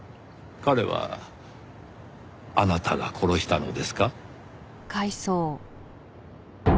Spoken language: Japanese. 彼はあなたが殺したのですか？